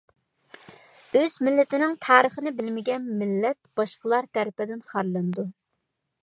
ئۆز مىللىتىنىڭ تارىخىنى بىلمىگەن مىللەت باشقىلار تەرىپىدىن خارلىنىدۇ.